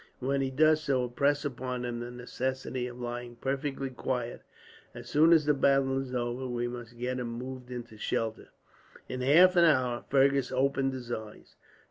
When he does so, impress upon him the necessity of lying perfectly quiet. As soon as the battle is over, we must get him moved into shelter." In half an hour Fergus opened his eyes.